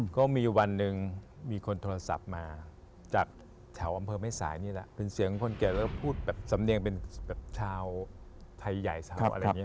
ก็มีวันหนึ่งมีคนโทรศัพท์มาจากแถวอำเภอแม่สายนี่แหละเป็นเสียงคนแก่แล้วพูดแบบสำเนียงเป็นแบบชาวไทยใหญ่ชาวอะไรอย่างนี้